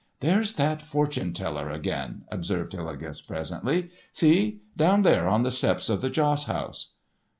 "There's that fortune teller again," observed Hillegas, presently. "See—down there on the steps of the joss house?"